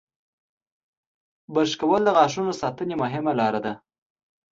• برش کول د غاښونو ساتنې مهمه لاره ده.